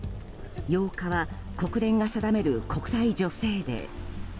８日は国連が定める国際女性デー。